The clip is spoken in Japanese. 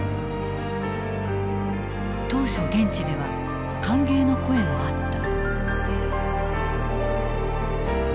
当初現地では歓迎の声もあった。